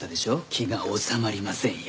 気が治まりませんよ。